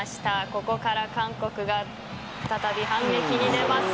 ここから韓国が再び反撃に出ます。